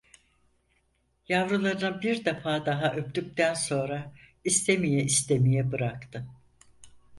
Yavrularını bir defa daha öptükten sonra istemeye istemeye bıraktı.